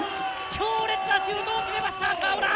強烈なシュートを決めました川村！